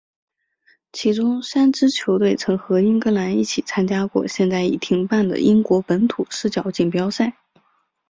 其中三支球队曾和英格兰一起参加过现在已停办的英国本土四角锦标赛。